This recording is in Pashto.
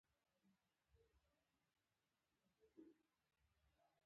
نېکي هغه ده چې زړه پرې مطمئن وي.